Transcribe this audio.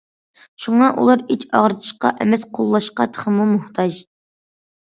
شۇڭا ئۇلار ئىچ ئاغرىتىشقا ئەمەس، قوللاشقا تېخىمۇ موھتاج.